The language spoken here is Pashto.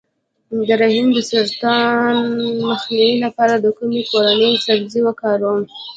د رحم د سرطان مخنیوي لپاره د کومې کورنۍ سبزي وکاروم؟